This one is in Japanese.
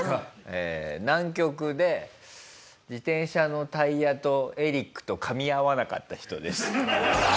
えー南極で自転車のタイヤとエリックと噛み合わなかった人です。